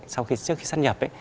sau khi xã đà lạt